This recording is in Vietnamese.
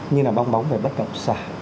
như là bong bóng về bất động xã